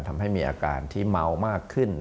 ทำให้มีอาการที่เมามากขึ้น